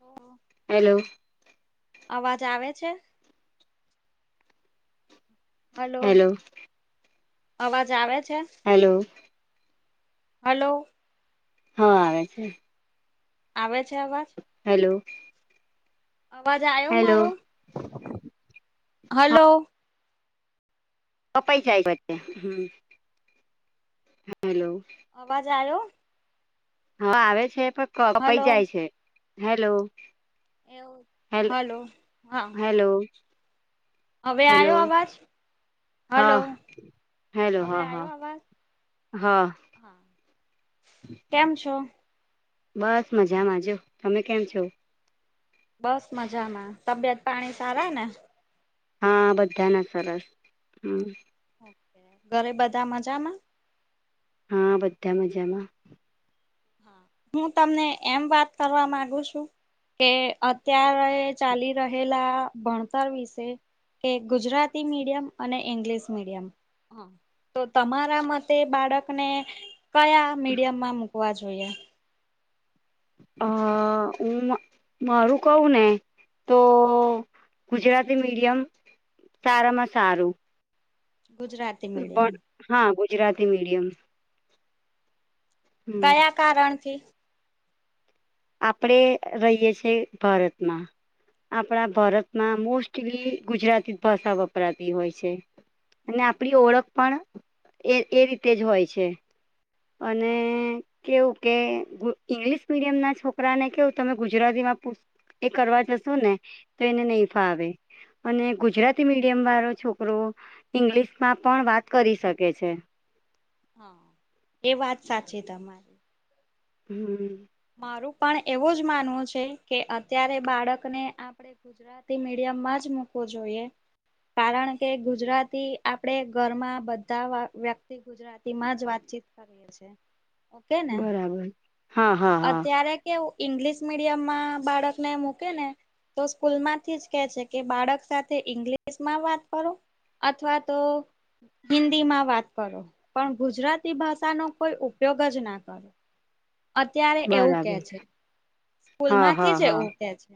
ઓહ. Hello. અવાજ આવે છે? હલો, હેલો અવાજ આવે છે? હલો. હલો. હા આવે છે. આવે છે અવાજ? હેલો. અવાજ આવ્યો હેલો મારો. હા હલો. કપાઈ જાય, હ હેલો. અવાજ આયો? હા આવે છે પણ કપાઈ હલો જાય છે, હેલો. એવું હલ્ હલો હા હલો. હવે આવ્યો અવાજ. હલો, હા હેલો હવે હા હા આવ્યો અવાજ? હા હા કેમ છો? બસ મજામાંજો તમે કેમ છો? બસ મજામાં, તબિયત પાણી સારા ને? હા બધાના સરસ હમ. ઓ ઘરે બધા મજામાં? હા બધા મજામાં. હા. હું તમને એમ વાત કરવા માંગુ છું. કે અત્યારે ચાલી રહેલા ભણતર વિશે. કે ગુજરાતી મીડિયમ અને ઇંગ્લિશ મીડિયમ. તો તમારા મતે બાળકને, કયા મીડિયમમાં મુૂકવા જોઈએ. હ હું મારું કઉ ને. તો ગુજરાતી મીડિયમ સારામાં સારું. ગુજરાતી મીડિયમ. પણ હા ગુજરાતી મીડિયમ. હમ કયા કારણથી? આપણેે રહીએ છીએ ભારતમાં. આપણા ભારતમાં મોસ્ટલી ગુજરાતી જ ભાષા વપરાતી હોય છે અને હા આપડી ઓળખ પણ એ એ રીતે જ હોય છે અને હા કેવું કે ઈંગ્લિશ મીડિયમ ના છોકરા ને કેવું તમે ગુજરાતીમાં પૂ એ કરવા જશો ને તો એને નહી ફાવે અને ગુજરાતી મીડિયમ વાળો છોકરો ઈંગ્લિશમાં પણ વાત કરી શકે છે હા એ વાત સાચી તમારી હમ્મ મારું પણ એવું જ માનવું છે કે અત્યારે બાળકને આપડે ગુજરાતી મીડિયમ માં જ મુૂકવો જોઈએ કારણ કે ગુજરાતી આપડે ઘરમાં બધા વ્યક્તિ ગ ગુજરાતી માં જ વાતચીત કરીએ છે ઓકે ને બરાબર હા હા હા અત્યારે કેવું ઈંગ્લિશ મીડિયમમાં બાળક ને મૂકે ને તો સ્કૂલમાંથી જ કે છે કે બાળક સાથે ઈંગ્લિશ માં વાત કરો અથવા તો હિન્દી માં વાત કરો પણ ગુજરાતી ભાષા નો કોઈ ઉપયોગ જ ના કરો અત્યારે એવું કે બરાબર છે સ્કૂલ હા હા માંથી જ હા એવું કે છે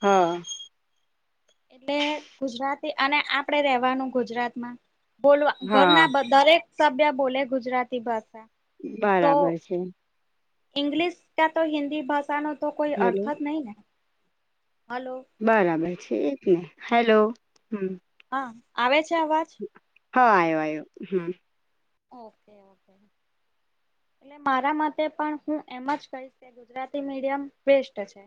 હા એટલે ગુજરાતી અને આપડે રેવાનું ગુજરાત માં બોલવા હા ઘરના દરેક સભ્ય બોલે ગુજરાતી ભાષા બરાબર છે ઈંગ્લિશ કા તો હિન્દી ભાષાનો તો કોઈ હેલો અર્થ જ નહી ને હલો બરાબર છે એ કે હેલો હમ્મ હા આવે છે અવાજ હા આવ્યો આવ્યો હમ્મ ઓકે ઓકે એટલે મારા મતે પણ હું એમ જ કહીશ ગુજરાતી મીડિયમ બેસ્ટ છે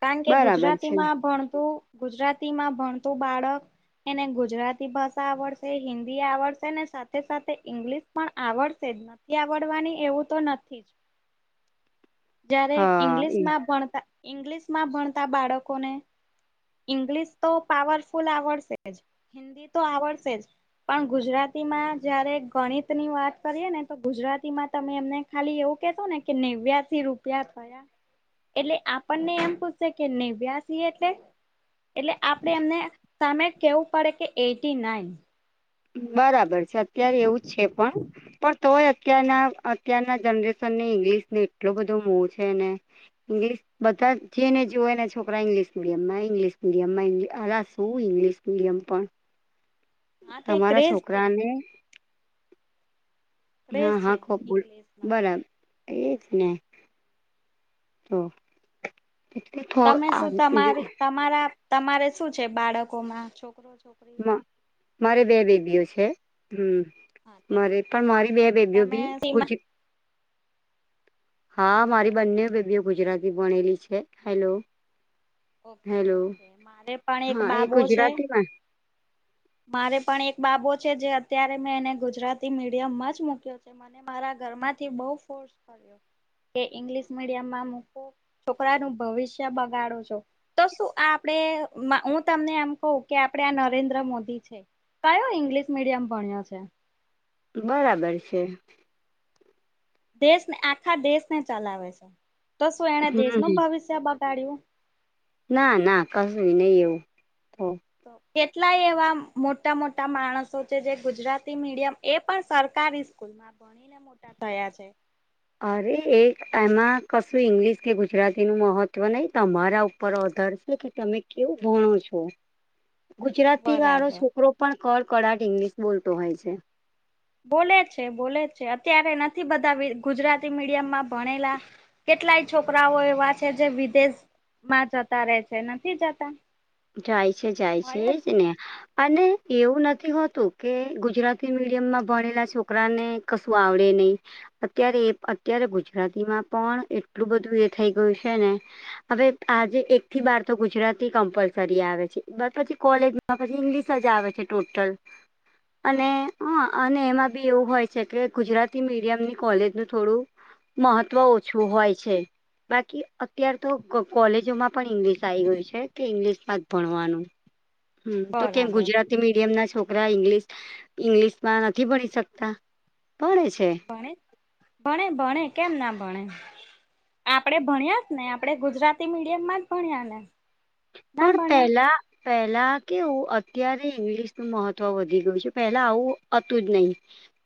કારણ કે બરાબર છે ગુજરાતીમાં ભણતું ગુજરાતી માં ભણતું બાળક એને ગુજરાતી ભાષા આવડશે હિન્દી આવડશે ને સાથે સાથે ઈંગ્લિશ પણ આવડશે જ નથી આવડવાની એવું તો નથી જ જારે હા ઈંગ્લિશ એ માં ભણતા ઈંગ્લિશ માં ભણતા બાળકોને ઇંગ્લિશ તો પાવરફુલ આવડશે જ હિન્દી તો આવડશે જ પણ ગુજરાતી માં જયારે ગણિત ની વાત કરીએ ને તો ગુજરાતીમાં તમે એમને ખાલી એવું કહેશો ને કે નેવ્યાસી રૂપિયા થયા એટલે આપણને એમ પૂછશે કે નેવ્યાસી એટલે એટલે આપડે એમને તમે કેવું પડે કે એટી નાઈન બરાબર છે અત્યારે એવું જ છે પણ પણ તોય અત્યારના અત્યારના જનરેશનને ઈંગ્લિશ ને એટલું બધો મોહ છે ને ઈંગ્લિશ બધા છે ને જો એને છોકરા ઇંગલિશ મીડિય માં ઈંગ્લિશ મીડિયમમાં હ શું ઇંગ્લિશ મીડીયમ પણ હા તે તમારા ક્રેઝ છે છોકરાને ક્રેઝ હા છે હા કોબ બોલ ઇંગ્લિશમાં બરાબર એ જ ને તો તમે શું તમારી તમારા તમારે શું છે બાળકોમાં છોકરો છોક મારે બે બેબીઓ છે હમ્મ હા તે મારે પણ મારી બે બેબીઓ તમે ભી ગુજ સીમા હા હલો મારી બંને બેબીઓ ગુજરાતી ભણેલી છે હેલો ઓકે હેલો ઓકે મારે પણ એક હા એ બાબો છે. ગુજરાતીમાં મારે પણ એક બાબો છે જે અત્યારે મેં એને ગુજરાતી મીડિયમ માં જ મુૂક્યો છે મને મારા ઘર માંથી બહુ ફોર્સ કર્યો કે ઇંગ્લિશ મીડિયમમાં મુકો છોકરાનું ભવિષ્ય બગાડો છો તો શું આપડે હું તમને એમ કહૂ કે આપડે આ નરેન્દ્ર મોદી છે કયો ઇંગ્લિશ મીડિયમ ભણ્યો છે બરાબર છે દેશને આખા દેશ ને ચલાવે છે તો શું એને હમ દેશનું ભવિષ્ય બગાડ્યું ના ના કશું નહી એવું તો કેટલાય એવા મોટા મોટા માણસો છે જે ગુજરાતી મીડિયમ એ પણ સરકારી તેમાં ભણીને મોટા થયા છે. અરે એક એમાં કશું ઇંગ્લિશ કે ગુજરાતીનું મહત્ત્વ નહીં તમારા ઉપર અધર કે તમે કેવું ભણો છો. [inaudible] ગુજરાતી વાળો બરાબર. છોકરો પણ કડકળાટ ઇંગ્લિશ બોલતો હોય છે. બોલે છે બોલે છે અત્યારે નથી બધા ગુજરાતી મીડિયમમાં. ભણેલા કેટલા છોકરાઓ એવા છે જે વિદેશમાં જતા રહે છે નથી જતા. જાય છે જાય છે હોય જ એજ ને. અને એવું નથી હોતું કે ગુજરાતી મીડિયમમાં ભણેલા છોકરાને કશું આવડે નહીં. અત્યારે એ અત્યારે ગુજરાતીમાં પણ એટલું બધું એ થઈ ગયું છે ને. હવે આજે એક થી બાર તો ગુજરાતી કમ્પલસ રી આવે છે પછી કોલેજમાં પછી ઇંગ્લિશ જ આવે છે ટોટલ અને હા. હ અને એમાં બી એવું હોય છે કે ગુજરાતી મીડિયમ ની કોલેજનું થોડું મહત્વ ઓછું હોય છે‌. બાકી અત્યાર તો કોલેજોમાં પણ ઈંગ્લિશ આવી ગયું છે કે ઇંગ્લિશમાં જ ભણવાનું. હમ્મ તો કેમ બરાબર. ગુજરાત તી મીડિયમ ના છોકરા ઇન્ગ ઈંગ્લિશમાં નથી ભણી શકતા ભણે છે. ભણે ભણે ભણે કેમ ના ભણે. આપડે ભણ્યાસ ને આપડે ગુજરાતી મીડિયમ માં જ ભણ્યા ને. ના પણ ભણ્યા પહેલા પહેલા કેવુ અત્યારે ઈંગ્લિશ નું મહત્વ વધી ગયું છે પેલા આવું હતું જ નહી.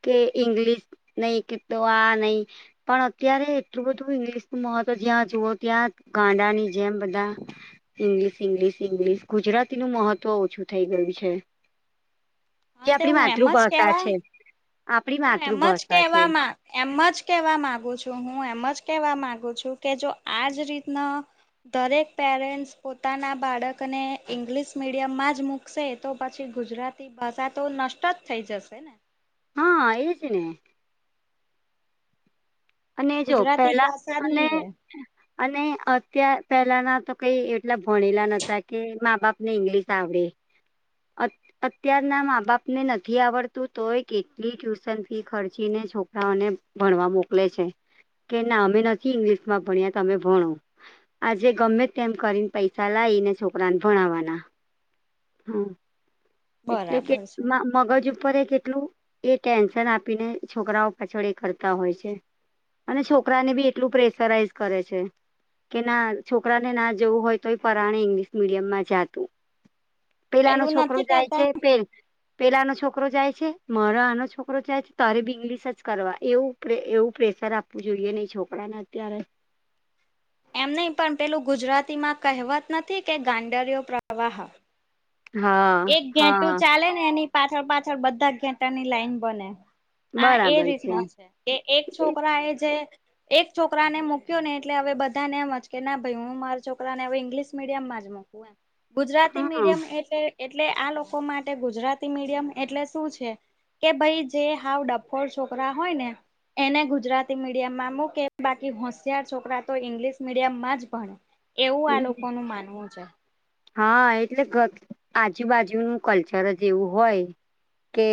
કે ઇંગલિશ નહી કતો આ નહી. પણ અત્યારે એટલું બધું ઈંગ્લિશ નું મહત્વ જ્યાં જુવઓ ત્યાં ગાંડાની જેમ બધા. ઈંગ્લિશ ઇંગ્લિશ ઇંગ્લિશ ગુજરાતી નું મહત્વ ઓછું થઈ ગયું છે. જે હા તે આપડી હું એમ જ માતૃભાષા કેવા છે આપડી હું એમ જ માતૃભાષા છે. કહેવા માં એમ જ કેવા માંગુ છું હું એમ જ કેવા માંગુ છું કે જો આજ રીતના દરેક પેરેન્ટસ પોતાના બાળકને ઈંગ્લિશ મીડિયમ માં જ મુક્ શે તો પછી ગુજરાતી ભાષા તો નષ્ટ જ થઈ જશે ને. હા એ જ ને. અને જો ગુજરાતી પેલા ભાષા અને નહી રે અને અત્યા પેલાના તો કઈ એટલા ભણેલા નતા કે મા બાપ ને ઇંગ્લિશ આવડે અત્યારના મા બાપ ને નથી આવડતું તોય કેટલી ટ્યુશન ફી ખર્ચી ને છોકરાઓને ભણવા મોકલે છે કે ના અમે નથી ઇંગ્લિશ માં ભણ્યા તમે ભણો. આજે ગમે તેમ કરીને પૈસા લાવીને છોકરાને ભણાવવાના હા એટલે કે બરાબર છે મગજ ઉપર એ કેટલું એ ટેન્શન આપીને છોકરાઓ પાછળ એ કરતા હોય છે‌. અને છોકરાને બી એટલું પ્રેશરાઈઝ કરે છે. કે ના છોકરા ને ના જવું હોય તો એ પરાણે ઇંગ્લિશ મીડિયમમાં જા તુ પેલા નો પેલું છોકરો નથી જાય કેતા છે પેલ પેલાનો છોકરો જાય છે મારો આનો છોકરો જાય છે તરે બી ઇંગલિશ જ કરવા એવું એવું પ્રેશર આપવું જોઈએ નહીં છોકરાને અત્યારે. એમ નહી પણ પેલું ગુજરાતી માં કહેવત નથી કે ગાંડરયો પ્રવાહ હા. એક ઘેટું હા ચાલે ને એની પાછળ પાછળ બધા ઘેટાની લાઈન બને. હા એ રીતના છે, કે એક છોકરા એ જે એક છોકરાને મૂક્યો ને એટલે હવે બધાનેમજ કે ના ભાઈ હું મારા છોકરાને હવે ઈંગ્લિશ મડમકું ગુજરાતી હા મીડિયમ એટલે એટલે આ લોકો માટે ગુજરાતી મીડિયમ એટલે શું છે? કે ભાઈ જે હાવ ડફોર છોકરા હોય ને. એને ગુજરાતી મીડિયમ માં મૂકે બાકી હોશિયાર છોકરા તો ઈંગ્લિશ મીડિયમ માં જ ભણે. એવું આ લોકો નું માનવું છે. હા એટલે આજુબાજુનું કલ્ચર એવું હોય. કે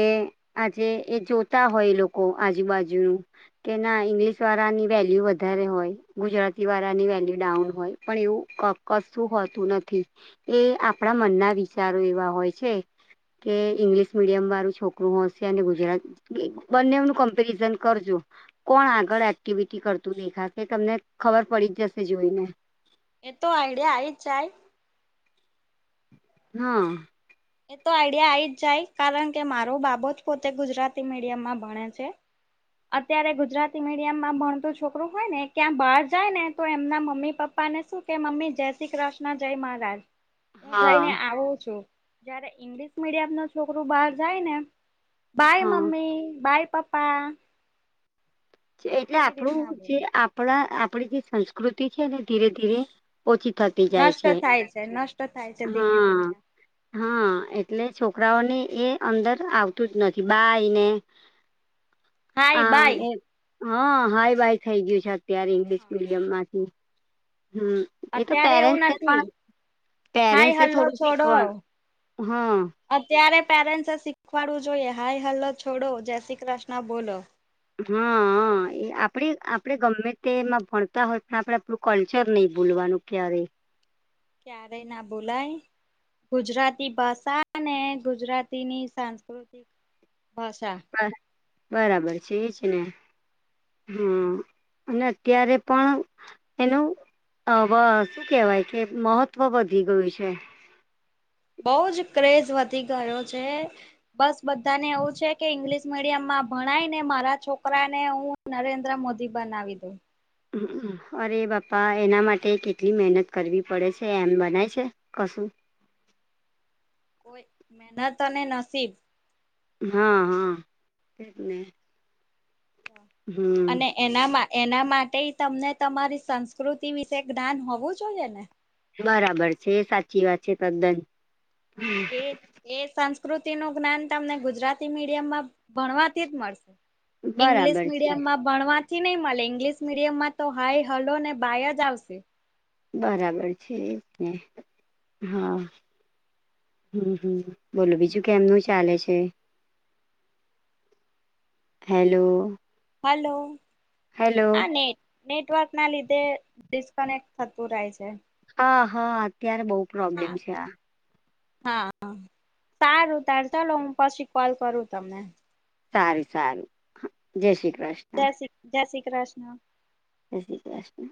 આજે એ જોતા હોય લોકો આજુબાજુનું. કે ના ઈંગ્લિશ વારાની વેલ્યુ વધારે હોય, ગુજરાતી વારાની વેલ્યુ ડાઉન હોય. પણ એવું કશું હોતું નથી. એ આપણા મનના વિચારો એવા હોય છે. કે ઈંગ્લિશ મીડિયમ વારુ છોકરું હોશીયાર અને ગુજરાત બંને ઓનુ કમ્પેરિઝન કરજો. કોણ આગળ એક્ટિવિટી કરતું દેખાશે તમને ખબર પડી જ જશે જોઈને. એ તો આઈડિયા આઈજ જાય. હ. એ તો આઈડિયા આઈ જ જાય કારણ કે મારો બાબો જ પોતે ગુજરાતી મીડિયમમાં ભણે છે. અત્યારે ગુજરાતી મીડિયમ માં ભણતું છોકરું હોય ને ક્યાં બહાર જાય ને તો એમના મમ્મી પપ્પા પપ્પાને શું કે મમ્મી જય શ્રી કૃષ્ણ જય મહારાજ. હું હા જઈને આવું છું, જારે ઈંગ્લિશ મીડિયમ ન છોકરું બાર જાય ને. બાય હા મમ્મી બાય પાપા. એટલે એવી આપણું રીતના જે બોલે આપણા આપણી જે સંસ્કૃતિ છે એને ધીરે ધીરે, ઓછી થતી નષ્ટ થાય છે નષ્ટ થાય છે ધીમે હા ધીમે. હા એટલે છોકરાઓને એ અંદર આવતું જ નથી બાય ને. [inaudible] હ બાય હા હાઈ બાય થઈ ગયું છે અત્યારે ઈંગ્લિશ મીડિયમ માંથી. હમ. એ તો અત્યારે એવું પેરેન્ટ્સ પણ નથી હાય પેરેન્ટ્સ હલ્લો થોડું છોડો શીખવાનું, હા. અત્યારે પેરેન્ટ્સ શીખવાડવું જોઈએ હાઈ હેલ છોડો જય શ્રી કૃષ્ણ બોલો. હા એ આપણે આપણેે ગમે તે એમાં ભણતા હોય પણ આપડણે આપણું કલ્ચર નઈ ભૂલવાનું. ક્યારેય. ક્યારે ના ભુલાય. ગુજરાતી ભાષા અનેને ગુજરાતીની સાંસ્કૃતિક ભાષા. બરાબર છે એજ ને. હા, ને અત્યારે પણ એનું શું કેહેવાય કે મહત્વ વધી ગયું છે. બો જ ક્રેઝ વધી ગયો છે. બસ બધાને એવું છે કે ઈંગ્લિશ મીડિયમમાં ભણાયને મારા છોકરાને હું નરેન્દ્ર મોદી બનાવી દો. અરે બાપ્પા એના માટે કેટલી મહેનત કરવી પડે છે એમ બનાય છે. કશું કોઈ મેનત અને નસીબ. હા હા એ જ ને. હમ. અને એનામાં એના માટે તમને તમારી સંસ્કૃતિ વિશે જ્ઞાન હોવું જોઈએ ને બરાબર છે સાચી વાત છે તદ્દન હા એ એ સંસ્કૃતિ નું જ્ઞાન તમને ગુજરાતી મીડિયમમાં ભણવાથી જ મળશે ઇંગ્લિશ બરાબર છે મીડિયમ માં ભણવાથી ની મળે ઈંગ્લિશ મીડિયમમાં તો હાય હેલો ને બાય જ આવશે બરાબર છે એજ ને હ હમ હમ બોલો બીજું કેમનું ચાલે છે હેલો. હલો. હેલો. આ નેટ નેટવર્ક ના લીધે ડિસ્કનેક્ટ થતું રહે છે. હ હા અત્યારે બહ પ્રોબ્લેમ હા. છે આ. હા સારું તાર ચલોો હું પછી કોલ કરું તમને. સાર સારું હ જય શ્રી કૃષ્ણ. જય શ્રી જય શ્રી કૃષ્ણ. સય શ્રી કલેષ્ણ.